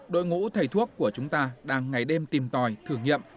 đội ngũ thầy thuốc của chúng ta đang ngày đêm tìm tòi thử nghiệm